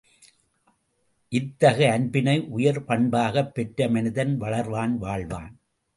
இத்தகு அன்பினை உயர் பண்பாகப் பெற்ற மனிதன் வளர்வான் வாழ்வான்.